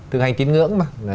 thực hành tín ngưỡng mà